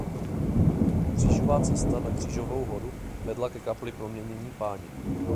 Křížová cesta na Křížovou horu vedla ke kapli Proměnění Páně.